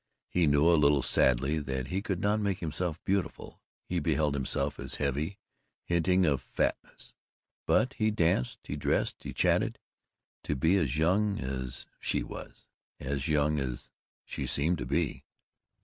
He knew, a little sadly, that he could not make himself beautiful; he beheld himself as heavy, hinting of fatness, but he danced, he dressed, he chattered, to be as young as she was... as young as she seemed to be.